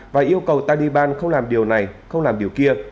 và yêu cầu taliban không làm điều này không làm điều kia